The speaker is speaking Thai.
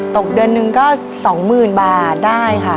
ตกเดือนหนึ่งก็๒๐๐๐บาทได้ค่ะ